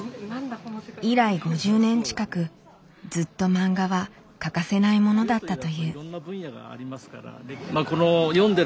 以来５０年近くずっとマンガは欠かせないものだったという。